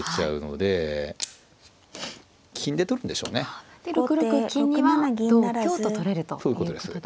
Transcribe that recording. で６六金には同香と取れるということですね。